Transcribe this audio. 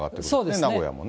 名古屋もね。